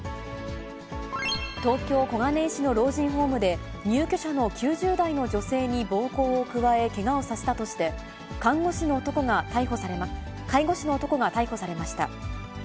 東京・小金井市の老人ホームで、入居者の９０代の女性に暴行を加え、けがをさせたとして、介護士の男が逮捕されました。